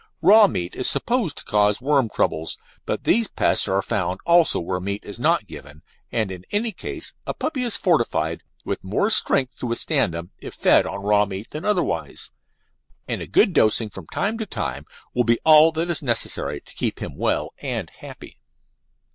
Raw meat is supposed to cause worm troubles, but these pests are also found where meat is not given, and in any case a puppy is fortified with more strength to withstand them if fed on raw meat than otherwise, and a good dosing from time to time will be all that is necessary to keep him well and happy.